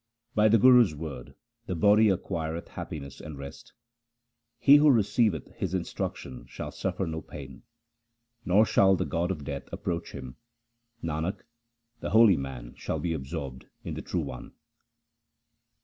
By the Guru's word the body acquireth happiness and rest ; He who receiveth his instruction shall suffer no pain, Nor shall the god of death approach him. Nanak, the holy man shall be absorbed in the True One.